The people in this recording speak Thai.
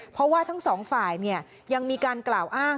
เพราะว่าทั้งสองฝ่ายยังมีการกล่าวอ้าง